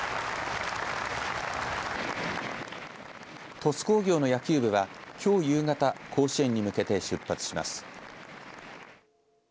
鳥栖工業の野球部はきょう夕方甲子園に向けて出発します。